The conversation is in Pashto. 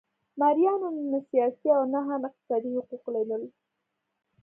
مریانو نه سیاسي او نه هم اقتصادي حقوق لرل.